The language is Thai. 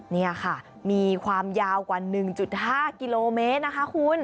นี่ค่ะมีความยาวกว่า๑๕กิโลเมตรนะคะคุณ